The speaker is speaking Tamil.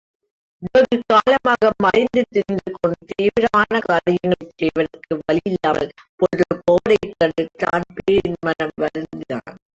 வெகு காலமாக மறைந்து திரிந்து கொண்டு, தீவிரமான காரியங்களைச் செய்வதற்கு வழியில்லாமல் பொழுதுபோவதைக் கண்டு தான்பிரீன் மனம் வருந்தினான்.